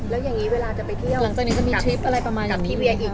แล้วอย่างนี้เวลาจะไปเที่ยวกับทีเวียอีก